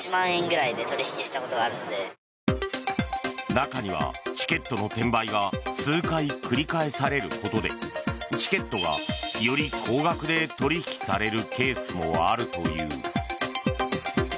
中には、チケットの転売が数回繰り返されることでチケットが、より高額で取引されるケースもあるという。